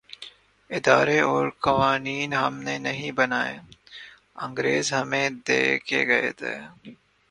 ادارے اورقوانین ہم نے نہیں بنائے‘ انگریز ہمیں دے کے گئے تھے۔